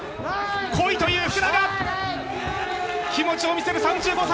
来いという福永、気持ちを見せる３５歳。